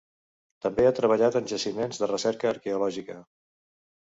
També ha treballat en jaciments de recerca arqueològica.